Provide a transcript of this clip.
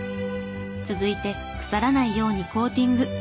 続いて腐らないようにコーティング。